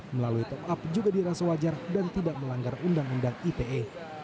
melalui top up juga dirasa wajar dan tidak melanggar undang undang ite